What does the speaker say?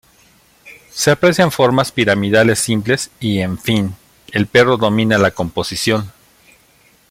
Se aprecian formas piramidales simples y, en fin, el perro domina la composición.